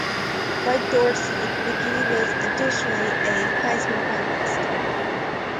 Like Dorsey, McGahee was additionally a Heisman finalist.